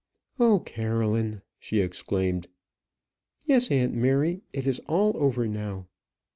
"Oh, Caroline!" she exclaimed. "Yes, aunt Mary; it is all over now."